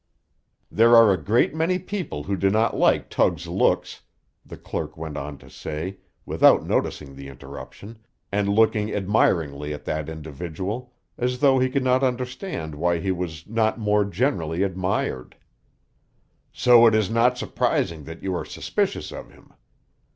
"There are a great many people who do not like Tug's looks," the clerk went on to say, without noticing the interruption, and looking admiringly at that individual, as though he could not understand why he was not more generally admired; "so it is not surprising that you are suspicious of him.